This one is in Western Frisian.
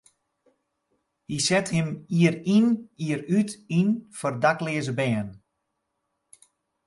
Hy set him jier yn jier út yn foar dakleaze bern.